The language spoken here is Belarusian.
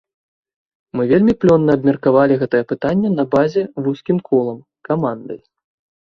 Мы вельмі плённа абмеркавалі гэта пытанне на базе, вузкім колам, камандай.